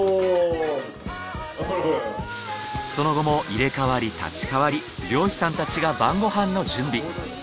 その後も入れ代わり立ち代わり漁師さんたちが晩ご飯の準備。